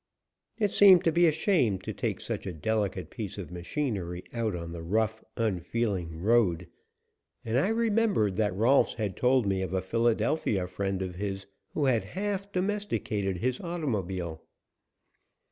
It seemed to be a shame to take such a delicate piece of machinery out on the rough, unfeeling road, and I remembered that Rolfs had told me of a Philadelphia friend of his who had half domesticated his automobile.